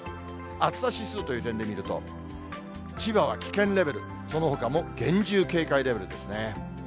暑さ指数という点で見ると、千葉は危険レベル、そのほかも厳重警戒レベルですね。